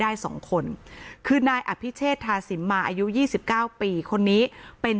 ได้สองคนคือนายอภิเชษทาสิมมาอายุยี่สิบเก้าปีคนนี้เป็น